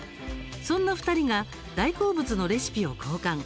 そんな２人が大好物のレシピを交換。